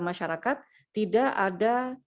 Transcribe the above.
masyarakat tidak ada